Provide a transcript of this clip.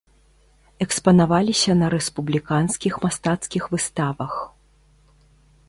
Экспанаваліся на рэспубліканскіх мастацкіх выставах.